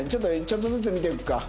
ちょっとずつ見ていくか。